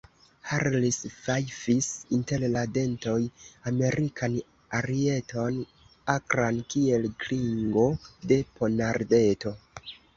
Harris fajfis inter la dentoj Amerikan arieton, akran kiel klingo de ponardeto.